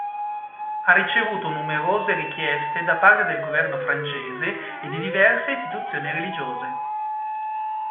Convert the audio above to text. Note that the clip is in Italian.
Ha ricevuto numerose richieste da parte del governo francese e di diverse istituzioni religiose.